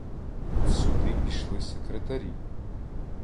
В суди пішли секретарі.